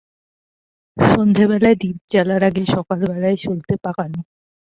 সন্ধ্যাবেলায় দীপ জ্বালার আগে সকালবেলায় সলতে পাকানো।